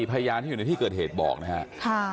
พยานที่อยู่ในที่เกิดเหตุบอกนะครับ